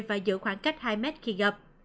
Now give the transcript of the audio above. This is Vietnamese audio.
và giữ khoảng cách hai mét khi gặp